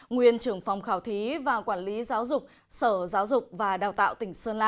nguyên trưởng phòng khảo thí và quản lý giáo dục sở giáo dục và đào tạo tỉnh sơn la